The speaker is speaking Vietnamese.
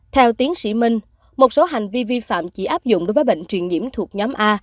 theo tiến sĩ minh một số hành vi vi phạm chỉ áp dụng đối với bệnh truyền nhiễm thuộc nhóm a